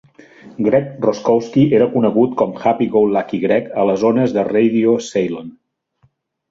Greg Roskowski era conegut com "Happy-go-lucky-Greg" a les ones de Radio Ceylon.